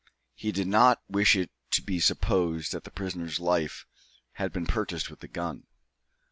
He did not wish it to be supposed that the prisoner's life had been purchased with a gun.